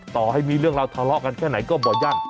ต่อให้มีเรื่องราวทะเลาะกันแค่ไหนก็บ่อยั่น